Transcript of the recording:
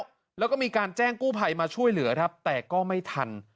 แล้วก็มีการแจ้งกู้ภัยมาช่วยเหลือครับแต่ก็ไม่ทัน